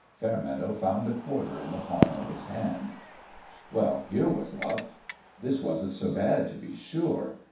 Fairmeadow found a quarter in the palm of his hand. Well, here was luck ! This wasn't so bad, to be sure